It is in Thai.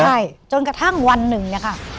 ใช่จนกระทั่งวันหนึ่งเนี่ยค่ะ